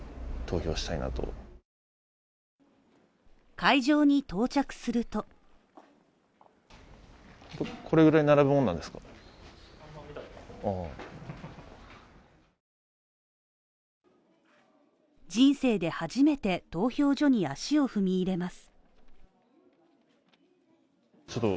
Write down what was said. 会場に到着すると人生で初めて投票所に足を踏み入れます。